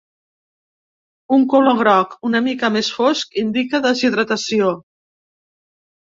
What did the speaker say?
Un color groc una mica més fosc indica deshidratació.